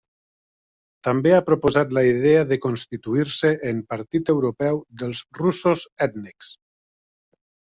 També ha proposat la idea de constituir-se en Partit Europeu dels russos ètnics.